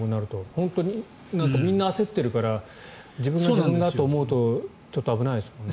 本当、みんな焦っているから自分が自分がと思うとちょっと危ないですね。